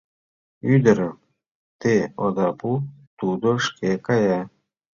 — Ӱдырым те ода пу, тудо шке кая.